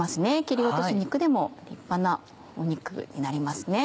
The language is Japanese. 切り落とし肉でも立派な肉になりますね。